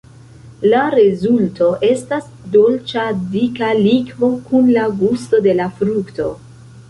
La rezulto estas dolĉa, dika likvo kun la gusto de la frukto.